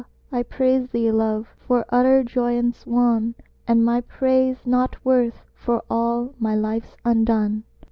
I praise thee, Love, for utter joyance won! "And is my praise nought worth for all my life undone?"